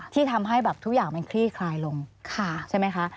ที่ทำให้แบบทุกอย่างมันคลี่คลายลงใช่ไหมคะ